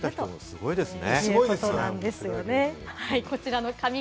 すごいですね。